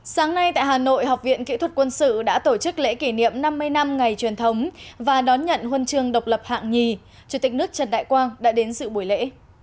sáng nay tại hà nội học viện kỹ thuật quân sự đã tổ chức lễ kỷ niệm năm mươi năm ngày truyền thống và đón nhận huân trường độc lập hạng nhì chủ tịch nước trần đại quang đã đến dự buổi lễ